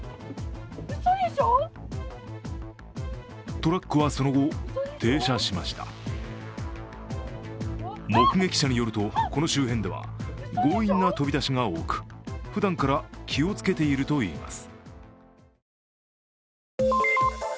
トラックはその後、停車しました目撃者によると、この周辺では強引な飛び出しが多く、ふだんから気をつけているといいます。